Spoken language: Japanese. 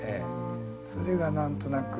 それが何となく。